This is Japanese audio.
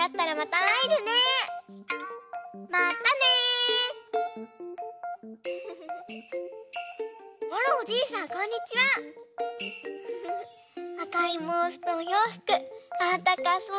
あかいぼうしとおようふくあったかそう！